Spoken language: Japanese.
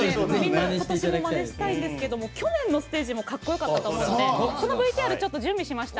私もまねしたいんですけど去年のステージもかっこよかったと思うのでその ＶＴＲ、準備しました。